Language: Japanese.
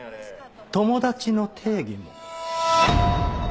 友達の定義も。